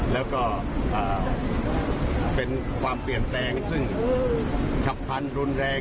แล้วก็เป็นความเปลี่ยนแปลงซึ่งฉับพันธุ์รุนแรง